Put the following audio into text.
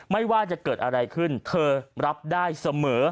ไม่ว่าจะเกิดอะไรขึ้นเธอรับได้เสมอ